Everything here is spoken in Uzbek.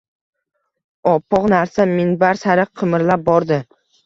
Oppoq narsa minbar sari qimirlab bordi.